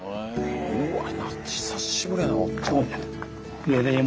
うわ久しぶりやな。